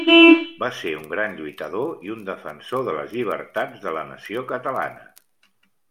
Va ser un gran lluitador i un defensor de les Llibertats de la nació Catalana.